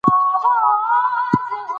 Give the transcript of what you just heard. هر شرکت مالي مدیر ته اړتیا لري.